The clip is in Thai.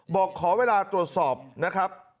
บอกขอเวลาตรวจสอบนะครับ